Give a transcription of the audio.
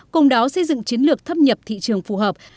cùng đó xây dựng chiến lược thâm nhập thị trường phù hợp